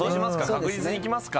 確実にいきますか。